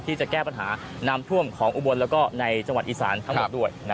ที่จะแก้ปัญหาน้ำท่วมของอุบลแล้วก็ในจังหวัดอีสานทั้งหมดด้วย